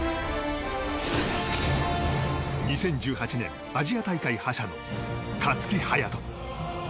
２０１８年アジア大会覇者の勝木隼人。